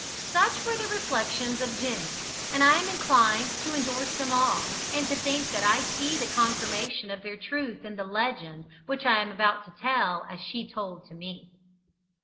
Such were the reflections of Jenny, and I am inclined to endorse them all, and to think that I see the confirmation of their truth in the legend which I am about to tell as she told to me.